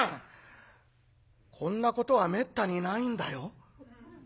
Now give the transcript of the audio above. こんなことはめったにないんだよ」。